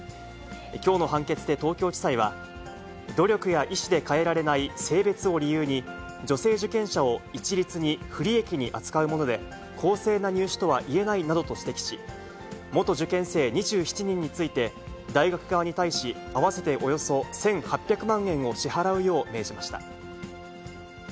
きょうの判決で東京地裁は、努力や意思で変えられない性別を理由に、女性受験者を一律に不利益に扱うもので、公正な入試とはいえないなどと指摘し、元受験生２７人について、大学側に対し、合わせておよそ１８００万円を支払うよう命じました。